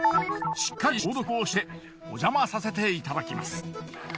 しっかり消毒をしてお邪魔させていただきます。